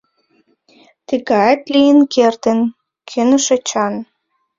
— Тыгеат лийын кертын, — кӧныш Эчан.